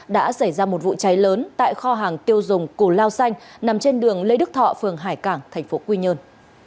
đã xảy ra một vụ cháy lớn tại kho hàng tiêu dùng củ lao xanh nằm trên đường lê đức thọ phường hải cảng tp quy nhơn